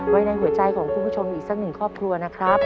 ไว้ในหัวใจของคุณผู้ชมอีกสักหนึ่งครอบครัวนะครับ